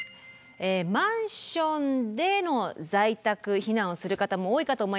マンションでの在宅避難をする方も多いかと思います。